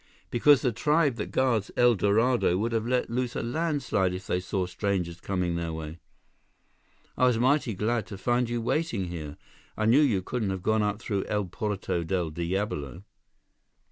"Because the tribe that guards El Dorado would have let loose a landslide if they saw strangers coming their way. I was mighty glad to find you waiting here. I knew you couldn't have gone up through El Porto Del Diablo."